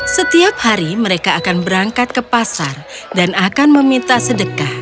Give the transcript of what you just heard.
setiap hari mereka akan berangkat ke pasar dan akan meminta sedekah